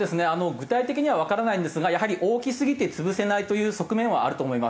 具体的にはわからないんですがやはり大きすぎて潰せないという側面はあると思います。